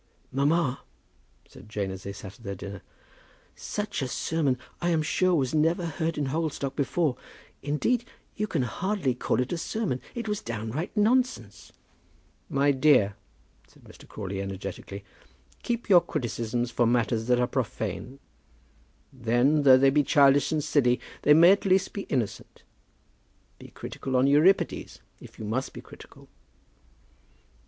"Mamma," said Jane, as they sat at their dinner, "such a sermon I am sure was never heard in Hogglestock before. Indeed, you can hardly call it a sermon. It was downright nonsense." "My dear," said Mr. Crawley, energetically, "keep your criticisms for matters that are profane; then, though they be childish and silly, they may at least be innocent. Be critical on Euripides, if you must be critical."